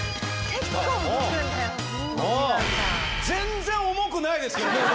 全然重くないですけどね